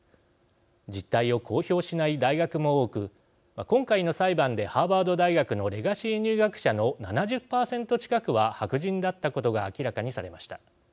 実態を公表しない大学も多く今回の裁判でハーバード大学のレガシー入学者の７０％近くは白人だったことが明らかにされました。